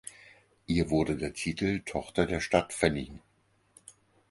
Ihr wurde der Titel „Tochter der Stadt“ verliehen.